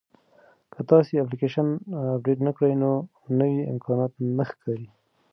که تاسي اپلیکیشن اپډیټ نه کړئ نو نوي امکانات نه ښکاري.